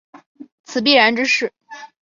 此必然之势。